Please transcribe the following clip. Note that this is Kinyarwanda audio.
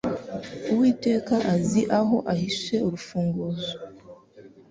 Uwiteka azi aho uhishe 'urufunguzo